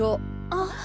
あっ！？